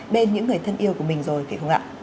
bên những người thân yêu của mình rồi vậy không ạ